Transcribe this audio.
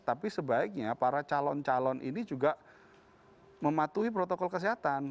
tapi sebaiknya para calon calon ini juga mematuhi protokol kesehatan